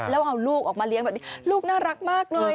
แล้วเอาลูกออกมาเลี้ยงแบบนี้ลูกน่ารักมากเลย